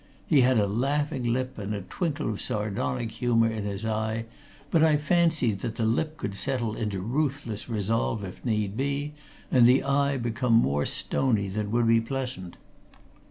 He had a laughing lip and a twinkle of sardonic humour in his eye, but I fancied that the lip could settle into ruthless resolve if need be and the eye become more stony than would be pleasant.